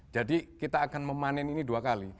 jadi kita akan memanen ini dua kali